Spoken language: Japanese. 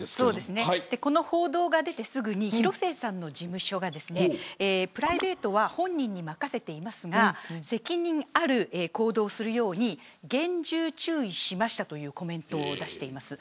この報道が出てすぐに広末さんの事務所がプライベートは本人に任せていますが責任ある行動をするように厳重注意しましたというコメントを出しています。